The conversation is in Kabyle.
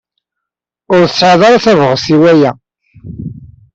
Ur tesɛid ara tabɣest i waya.